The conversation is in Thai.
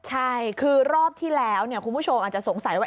ใช่คือรอบที่แล้วคุณผู้ชมอาจจะสงสัยว่า